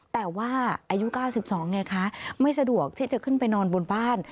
แต่ว่าอายุ๙๒ไงคะไม่สะดวกที่จะขึ้นไปนอนบนบ้าน